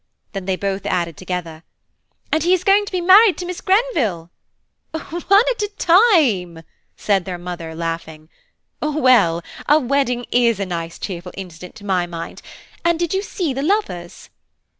Then they both added together, "And he is going to be married to Miss Grenville." "One at a time," said their mother laughing. "Well, a wedding is a nice cheerful incident to my mind–and did you see the lovers?"